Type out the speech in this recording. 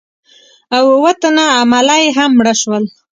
او اووه تنه عمله یې هم مړه شول.